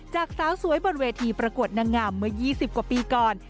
จากสาวสวยบนเวทีประกวดนางงามเมื่อ๒๐กว่าปีก่อน